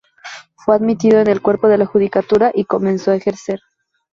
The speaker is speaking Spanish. Fue admitido en el cuerpo de la judicatura y comenzó a ejercer.